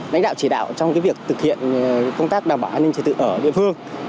lãnh đạo chỉ đạo trong việc thực hiện công tác đảm bảo an ninh trật tự ở địa phương